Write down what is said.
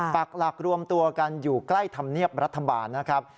ปากหลักรวมตัวกันอยู่ใกล้ธรรมเนียบรัฐบาลนะครับ